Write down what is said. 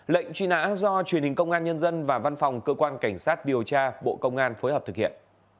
lệnh truy nã do truyền hình công an nhân dân và văn phòng cơ quan cảnh sát điều tra bộ công an phối hợp thực hiện